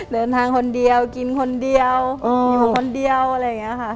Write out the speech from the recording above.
เดินทางคนเดียวกินคนเดียวอยู่คนเดียวอะไรอย่างนี้ค่ะ